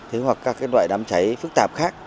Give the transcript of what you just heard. hoặc các loại đám cháy phức tạp khác